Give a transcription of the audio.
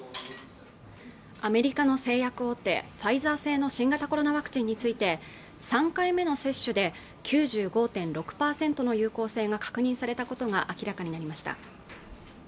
アメリカの製薬大手ファイザー製の新型コロナワクチンについて３回目の接種で９５．６％の有効性が確認されたことが明らかになりました